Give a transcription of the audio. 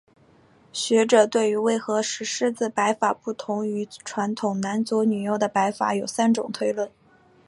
学者对于为何石狮子摆法不同于传统男左女右的摆法有三种推论。